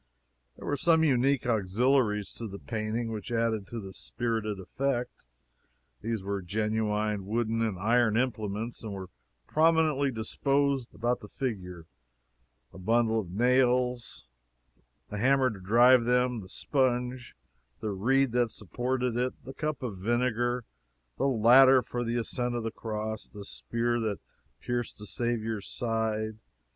There were some unique auxiliaries to the painting which added to its spirited effect. These were genuine wooden and iron implements, and were prominently disposed round about the figure: a bundle of nails; the hammer to drive them; the sponge; the reed that supported it; the cup of vinegar; the ladder for the ascent of the cross; the spear that pierced the Saviour's side.